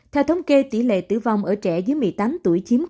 theo thống kê tỷ lệ tử vong ở trẻ dưới một mươi tám tuổi chiếm